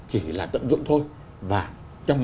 chỉ là tận dụng thôi và trong